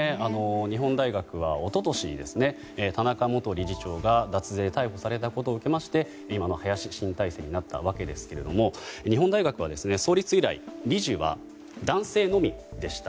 日本大学は一昨年に田中元理事長が脱税で逮捕されたことを受けまして今の林新体制になったわけですけれども日本大学は創立以来理事は男性のみでした。